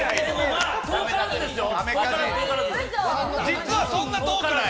実はそんな遠くない。